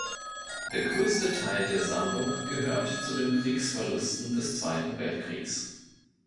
Der größte Teil der Sammlung gehört zu den Kriegsverlusten des Zweiten Weltkriegs.